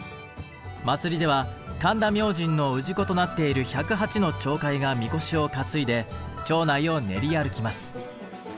祭では神田明神の氏子となっている１０８の町会がみこしを担いで町内を練り歩きます。